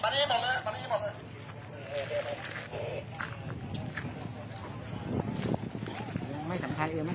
มันก็ไม่ต่างจากที่นี่นะครับ